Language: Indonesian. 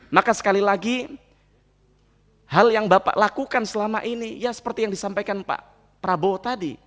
maka sekali lagi hal yang bapak lakukan selama ini ya seperti yang disampaikan pak prabowo tadi